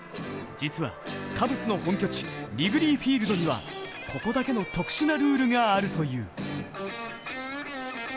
実はカブスの本拠地リグリーフィールドにはここだけの特殊なルールがあるという。